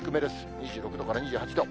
２６度から２８度。